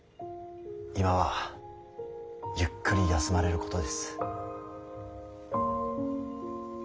今はゆっくり休まれることです。